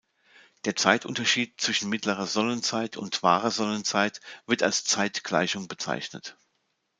Der Zeitunterschied zwischen mittlerer Sonnenzeit und wahrer Sonnenzeit wird als Zeitgleichung bezeichnet.